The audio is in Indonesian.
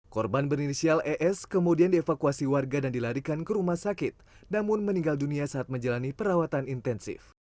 korban berinisial es kemudian dievakuasi warga dan dilarikan ke rumah sakit namun meninggal dunia saat menjalani perawatan intensif